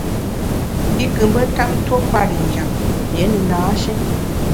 I nkù mbe ntap tuo kwer i njap, rié ne na-shi.